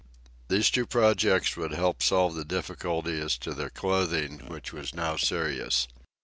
These two projects would help to solve the difficulty as to their clothing, which was now serious.